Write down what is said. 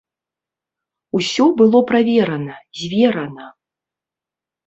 Усё было праверана, зверана.